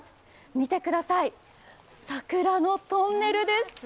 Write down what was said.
見てください、桜のトンネルです。